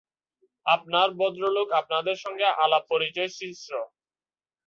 আপনারা ভদ্রলোক, আপনাদের সঙ্গে আলাপ-পরিচয়– শ্রীশ।